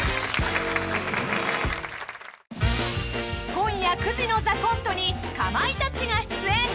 ［今夜９時の『ＴＨＥＣＯＮＴＥ』にかまいたちが出演］